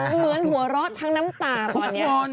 มันเหมือนหัวฟักรสทั้นน้ำตาตอนเนี้ย